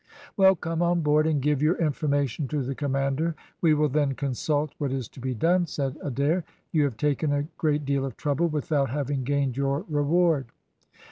"Well, come on board, and give your information to the commander; we will then consult what is to be done," said Adair; "you have taken a great deal of trouble without having gained your reward."